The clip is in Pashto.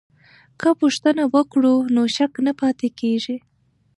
که پوښتنه وکړو نو شک نه پاتې کیږي.